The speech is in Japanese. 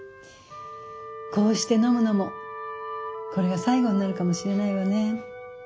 こうして飲むのもこれが最後になるかもしれないわね。